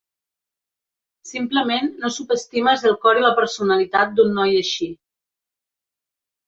Simplement no subestimes el cor i la personalitat d'un noi així.